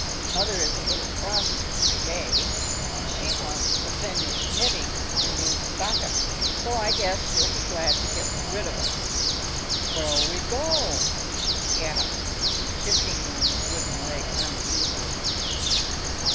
Mother is a little cross, to day, and she wants to finish knitting your new stockin'; so I guess she'll be glad to get rid of us." "Where'll we go?" he asked, shifting on his wooden leg uneasily.